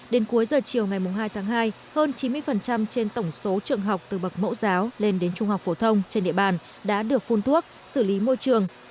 đến cuối giờ chiều ngày hai tháng hai hơn chín mươi trên tổng số trường học từ bậc mẫu giáo lên đến trung học phổ thông trên địa bàn đã được phun thuốc xử lý môi trường